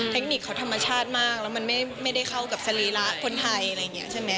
เทคนิคเขาธรรมชาติมากแล้วมันไม่ได้เข้ากับสรีระคนไทย